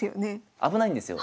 危ないんですよ。